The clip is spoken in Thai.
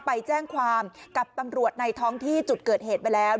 ไปแจ้งความกับตำรวจในท้องที่จุดเกิดเหตุไปแล้ว